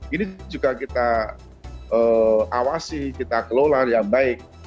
ini juga kita awasi kita kelola dengan baik